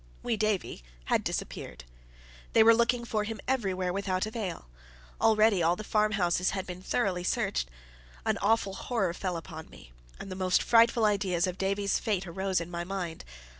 Wee Davie had disappeared. They were looking for him everywhere without avail. Already all the farmhouses had been thoroughly searched. An awful horror fell upon me, and the most frightful ideas of Davie's fate arose in my mind.